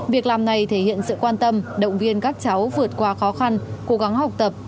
việc làm này thể hiện sự quan tâm động viên các cháu vượt qua khó khăn cố gắng học tập